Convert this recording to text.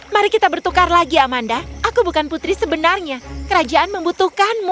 mari kita bertukar lagi amanda aku bukan putri sebenarnya kerajaan membutuhkanmu